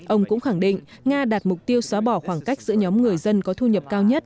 ông cũng khẳng định nga đạt mục tiêu xóa bỏ khoảng cách giữa nhóm người dân có thu nhập cao nhất